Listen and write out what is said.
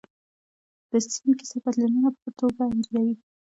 د سیند کیسه بدلونونه په ښه توګه انځوروي.